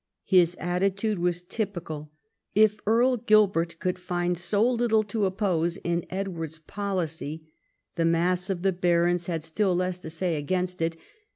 His attitude was typical. If Earl Gilbert could find so little to oppose in Edward's policy, the mass of the barons had still less to say against it.